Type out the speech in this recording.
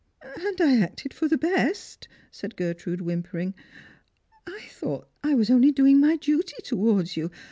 And I acted for the best," said Gertrude, whimpering. " I thought that I was only doing my duty towards you.